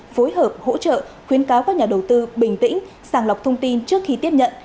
phối hợp hỗ trợ khuyến cáo các nhà đầu tư bình tĩnh sàng lọc thông tin trước khi tiếp nhận